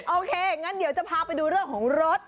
โอเคงั้นเดี๋ยวจะพาไปดูเรื่องของรถ